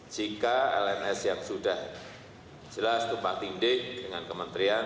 jika lns yang sudah jelas tumpang tindih dengan kementerian